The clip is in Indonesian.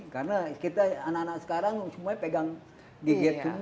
karena kita anak anak sekarang semuanya pegang gigit semua